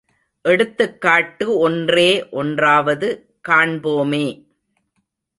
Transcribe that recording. எடுத்துக்காட்டு ஒன்றே ஒன்றாவது காண்போமே.